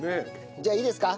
じゃあいいですか？